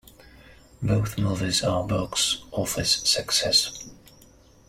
Both movies are box-office success.